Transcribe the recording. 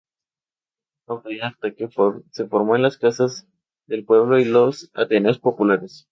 Autodidacta, se formó en las Casas del Pueblo y los ateneos populares.